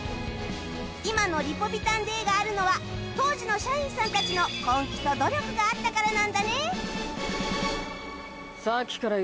今のリポビタン Ｄ があるのは当時の社員さんたちの根気と努力があったからなんだね